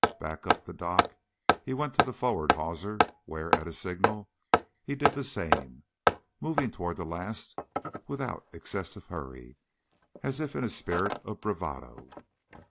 Back up the dock he went to the forward hawser, where, at a signal, he did the same, moving, toward the last, without excessive hurry, as if in a spirit of bravado.